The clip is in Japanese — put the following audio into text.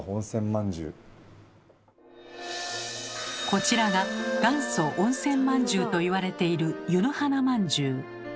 こちらが元祖温泉まんじゅうといわれている「湯の花まんじゅう」。